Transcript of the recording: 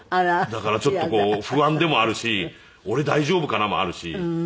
だからちょっと不安でもあるし俺大丈夫かな？もあるし。